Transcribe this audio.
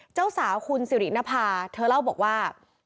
เจ้าสาวคุณสิรินภาเธอเล่าบอกว่า